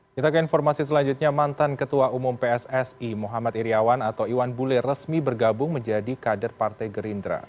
kita ke informasi selanjutnya mantan ketua umum pssi muhammad iryawan atau iwan bule resmi bergabung menjadi kader partai gerindra